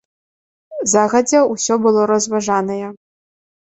Загадзя ўсё было разважанае.